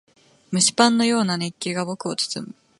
蒸しパンのような熱気が僕を包む。